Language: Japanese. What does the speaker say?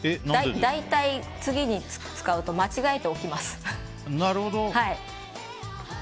大体、次に使うと間違えが起きます。